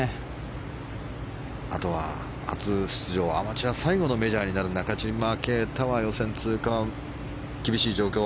あとは初出場アマチュア最後のメジャーになる中島啓太は、予選通過は厳しい状況。